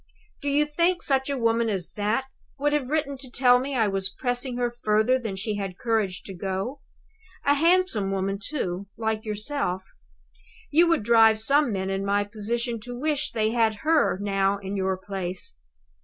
Do you think such a woman as that would have written to tell me I was pressing her further than she had courage to go? A handsome woman, too, like yourself. You would drive some men in my position to wish they had her now in your place.